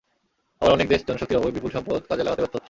আবার অনেক দেশ জনশক্তির অভাবে বিপুল সম্পদ কাজে লাগাতে ব্যর্থ হচ্ছে।